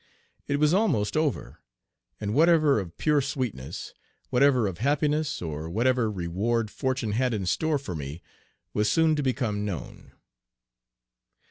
It was almost over, and whatever of pure sweetness, whatever of happiness, or whatever reward fortune had in store for me, was soon to become known.